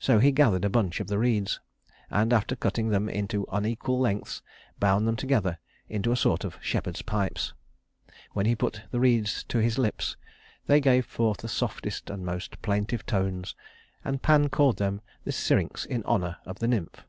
So he gathered a bunch of the reeds, and after cutting them into unequal lengths, bound them together into a sort of shepherd's pipes. When he put the reeds to his lips, they gave forth the softest and most plaintive tones, and Pan called them the syrinx in honor of the nymph.